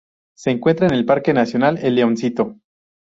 Se encuentra en el Parque Nacional El Leoncito.